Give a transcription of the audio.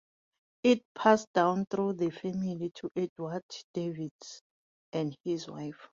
It passed down through the family to Edward Davis and his wife.